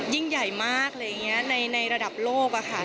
ยิ่งใหญ่มากอะไรอย่างนี้ในระดับโลกอะค่ะ